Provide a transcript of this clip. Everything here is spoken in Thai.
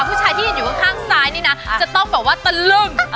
ผู้ชายที่ยืนอยู่ข้างซ้ายนี่นะจะต้องแบบว่าตะลึ่ง